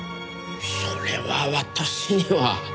それは私には。